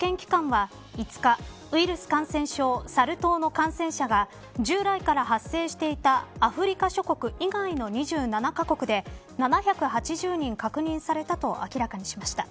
ＷＨＯ世界保健機関は５日、ウイルス感染症サル痘の感染者が従来から発生していたアフリカ諸国以外の２７カ国で７８０人確認されたと明らかにしました。